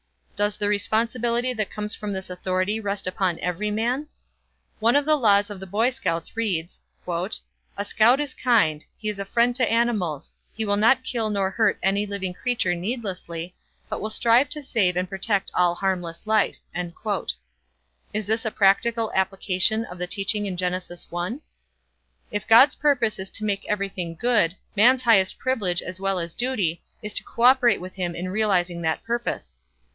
Does the responsibility that comes from this authority rest upon every man? One of the laws of the Boy Scouts reads: "A scout is kind. He is a friend to animals. He will not kill nor hurt any living creature needlessly, but will strive to save and protect all harmless life." Is this a practical application of the teaching in Genesis 1? If God's purpose is to make everything good, man's highest privilege, as well as duty, is to co operate with him in realizing that purpose.